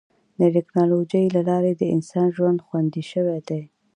د ټکنالوجۍ له لارې د انسان ژوند خوندي شوی دی.